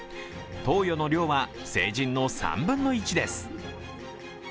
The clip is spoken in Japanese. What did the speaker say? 投与の量は成人の３分の１です。